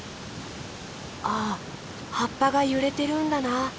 あはっぱがゆれてるんだな。